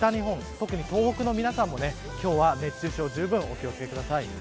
特に東北の皆さんも今日は熱中症にじゅうぶんお気を付けください。